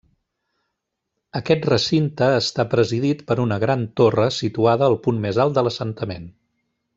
Aquest recinte està presidit per una gran torre situada al punt més alt de l'assentament.